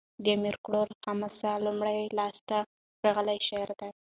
د امیر کروړ حماسه؛ لومړنی لاس ته راغلی شعر دﺉ.